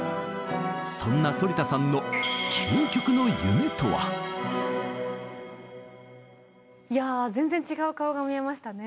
そんな反田さんのいや全然違う顔が見えましたね。